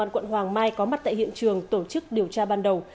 quận hoàng mai có mặt tại hiện trường tổ chức điều tra ban đầu